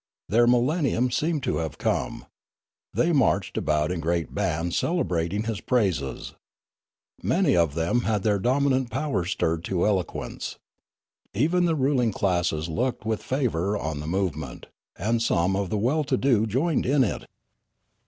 Their millennium seemed to have come. They marched about in great bands celebrating his praises. Many of them had their dormant powers stirred to eloquence. Even the ruling classes looked with favour on the movement, and some of the well to do joined in it.